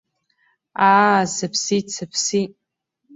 Аа, сыԥсит, сыԥсит!